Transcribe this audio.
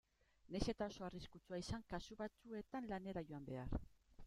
Nahiz eta oso arriskutsua izan kasu batzuetan lanera joan behar.